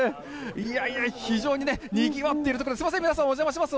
いやいや非常にね、にぎわっているところ、すみません、お邪魔します。